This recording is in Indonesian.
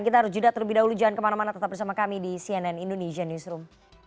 kita harus jeda terlebih dahulu jangan kemana mana tetap bersama kami di cnn indonesia newsroom